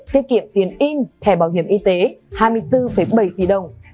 tiết kiệm tiền in thẻ bảo hiểm y tế hai mươi bốn bảy tỷ đồng